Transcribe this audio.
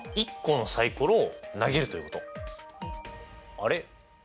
あれ？